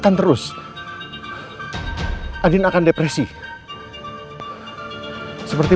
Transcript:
kasih saya kesempatan